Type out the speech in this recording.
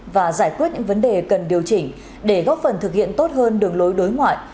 và giải quyết những vấn đề cần điều chỉnh để góp phần thực hiện tốt hơn đường lối đối ngoại